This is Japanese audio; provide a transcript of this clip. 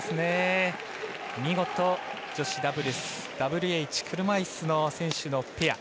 見事女子ダブルスＷＨ車いすの選手のペア。